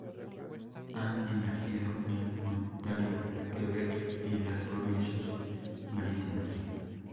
Han emergido en Ontario, Quebec y las Provincias Marítimas.